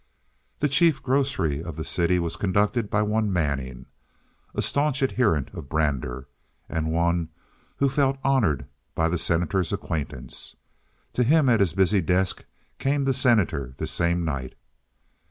The chief grocery of the city was conducted by one Manning, a stanch adherent of Brander, and one who felt honored by the Senator's acquaintance. To him at his busy desk came the Senator this same night.